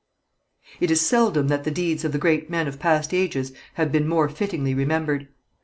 It is seldom that the deeds of the great men of past ages have been more fittingly remembered.